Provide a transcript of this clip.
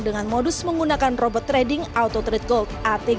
dengan modus menggunakan robot trading auto trade gold